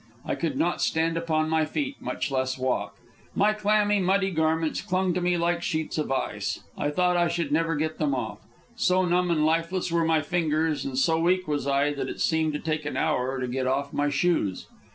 I could not stand upon my feet, much less walk. My clammy, muddy, garments clung to me like sheets of ice. I thought I should never get them off. So numb and lifeless were my fingers, and so weak was I, that it seemed to take an hour to get off my shoes.